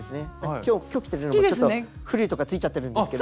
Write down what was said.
今日今日来てるのもちょっとフリルとかついちゃってるんですけど。